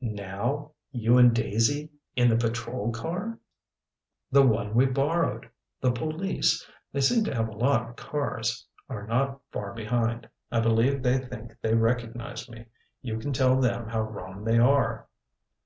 "Now? You and Daisy? In the patrol car?" "The one we borrowed. The police they seem to have a lot of cars are not far behind. I believe they think they recognized me. You can tell them how wrong they are."